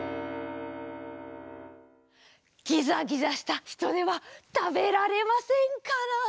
ギザギザしたヒトデはたべられませんから。